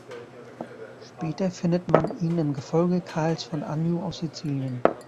Später findet man ihn im Gefolge Karls von Anjou auf Sizilien.